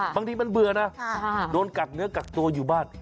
บางทีมันเบื่อนะโดนกักเนื้อกักตัวอยู่บ้าน